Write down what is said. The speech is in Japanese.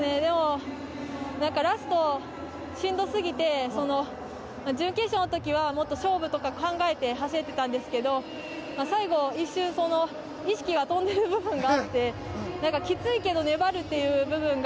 ラストしんどすぎて準決勝の時はもっと勝負とか考えて走ってたんですけど最後、一瞬意識が飛んでいる部分があってきついけど粘るという部分が